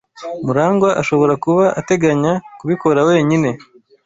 Murangwa ashobora kuba ateganya kubikora wenyine.